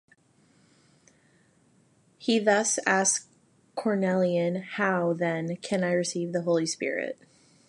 He thus asked Cornelian, How, then, can I receive the Holy Spirit?